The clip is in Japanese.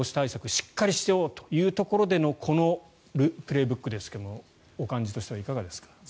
しっかりしようというところでのこの「プレーブック」ですがお感じとしてはいかがですか。